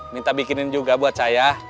minta bikinin juga buat saya